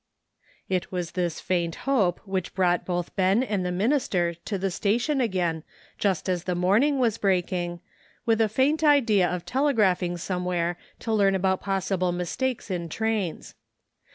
It was this faint hope which brought both Ben and the minister to the station again just as the morning was breaking, with a faint idea of telegraphing somewhere to learn about pos 119 120 WAITING. sible mistakes in trains.